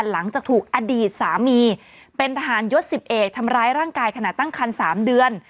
หลังจากถูกอดีตสามีเป็นทหารยศ๑๑ทำร้ายร่างกายขณะตั้งคัน๓เดือน